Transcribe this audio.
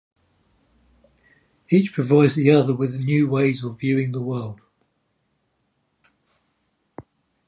Each provides the other with new ways of viewing the world.